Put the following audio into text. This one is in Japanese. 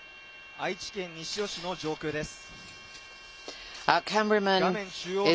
愛知県西尾市の上空です。